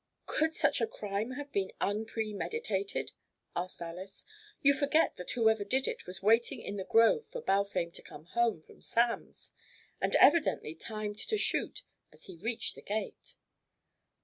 "Could such a crime have been unpremeditated?" asked Alys. "You forget that whoever did it was waiting in the grove for Balfame to come home from Sam's, and evidently timed to shoot as he reached the gate."